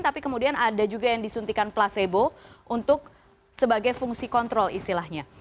tapi kemudian ada juga yang disuntikan placebo untuk sebagai fungsi kontrol istilahnya